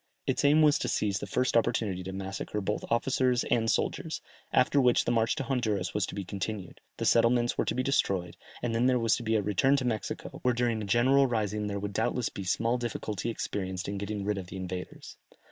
Its aim was to seize the first opportunity to massacre both officers and soldiers, after which the march to Honduras was to be continued, the settlements were to be destroyed, and then there was to be a return to Mexico, where during a general rising there would doubtless be small difficulty experienced in getting rid of the invaders.